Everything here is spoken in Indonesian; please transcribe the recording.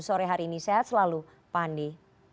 sore hari ini sehat selalu pandi